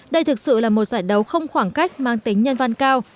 đây thực sự là một giải đấu không khoảng cách mang tính nhân văn cao